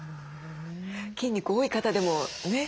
筋肉多い方でもね。